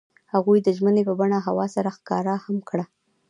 هغوی د ژمنې په بڼه هوا سره ښکاره هم کړه.